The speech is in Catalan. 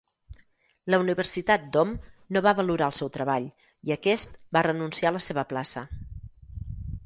La universitat d'Ohm no va valorar el seu treball i aquest va renunciar a la seva plaça.